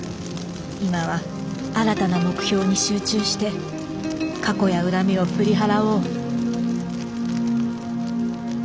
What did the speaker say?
今は新たな目標に集中して過去や恨みを振り払おう。